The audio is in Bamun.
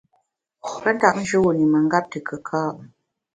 Pe ntap njûn i mengap te kùka’.